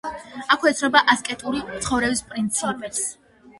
აქვე ეცნობა ასკეტური ცხოვრების პრინციპებს.